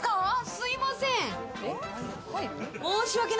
すいません！